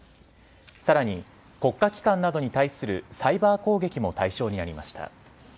さらに、国家機関などに対するサイバー攻撃も対象になりました。